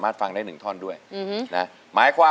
ใครที่หนึ่งค่ะ